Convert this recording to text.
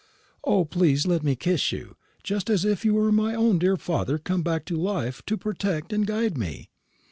O, please let me kiss you, just as if you were my own dear father come back to life to protect and guide me.